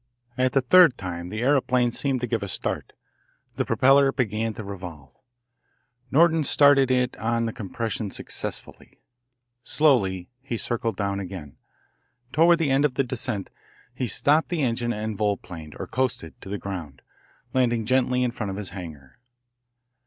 At the third time the aeroplane seemed to give a start. The propeller began to revolve, Norton starting it on the compression successfully. Slowly he circled down again. Toward the end of the descent he stopped the engine and volplaned, or coasted, to the ground, landing gently in front of his hangar.